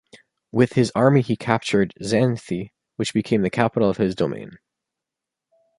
With his army he captured Xanthi, which became the capital of his domain.